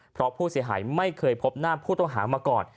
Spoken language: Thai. เพราะผู้เสียหายไม่เคยพบหน้าผู้ต้องหามาก่อน